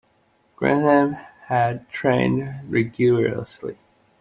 Graham had trained rigourously.